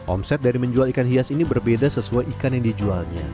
omset dari menjual ikan hias ini berbeda sesuai ikan yang dijualnya